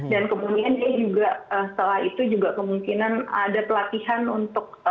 dan kemudian ya juga setelah itu juga kemungkinan ada pelatihan untuk